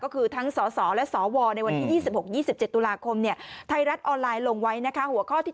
ก็คือปล่อยให้เขาทำหน้าที่ไปก่อน